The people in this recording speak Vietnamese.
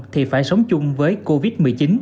thì phải sống chung với covid một mươi chín